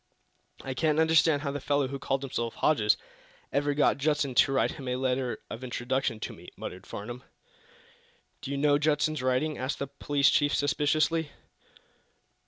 "I can't understand how the fellow who called himself Hodges ever got Judson to write him a letter of introduction to me," muttered Mr. Farnum. "Do you know Judson's writing?" asked the police chief, suspiciously.